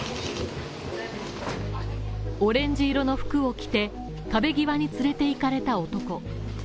オレンジ色の服を着て、壁際に連れて行かれた男